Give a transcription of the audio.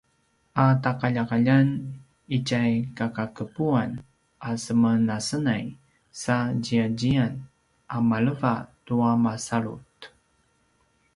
a taqaljaqaljan itja kakaqepuan a semenasenay sa ziyaziyan a maleva tua masalut